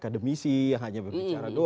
demisi hanya berbicara doang gitu